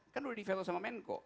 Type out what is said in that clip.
kan udah di veto sama menko